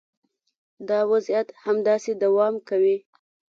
دا وضعیت همداسې دوام کوي